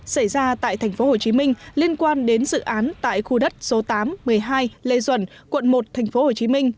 xảy ra tại tp hcm liên quan đến dự án tại khu đất số tám một mươi hai lê duẩn quận một tp hcm